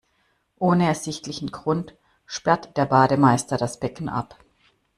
Ohne ersichtlichen Grund sperrt der Bademeister das Becken ab.